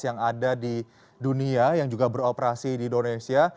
yang ada di dunia yang juga beroperasi di indonesia